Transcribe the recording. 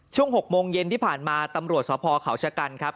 ช่วง๖โมงเย็นที่ผ่านมาตำรวจสพเขาชะกันครับ